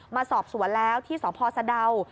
มาสอบสวนแล้วที่สพสะดาว